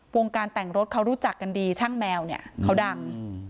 วงการแต่งรถเขารู้จักกันดีช่างแมวเนี่ยเขาดัง